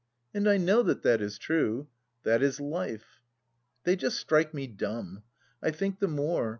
And I know that that is true. That is Life. They just strike me dumb. I think the more.